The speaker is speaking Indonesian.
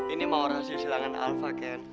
ini mawar hasil silangan alva ken